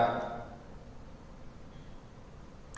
dan juga tuntutan masyarakat